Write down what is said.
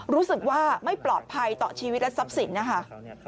รู้สึกว่าไม่ปลอดภัยต่อชีวิตและทรัพย์สินนะคะ